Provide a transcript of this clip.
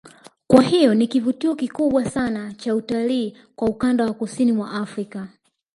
Kwa hiyo ni kivutio kikubwa sana cha utalii kwa ukanda wa kusini mwa Afrika